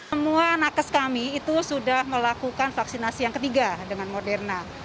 semua nakes kami itu sudah melakukan vaksinasi yang ketiga dengan moderna